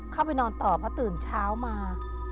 เข้าไปนอนต่อเพราะตื่นเช้ามา